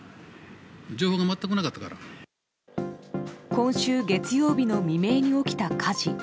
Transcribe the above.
今週月曜日の未明に起きた火事。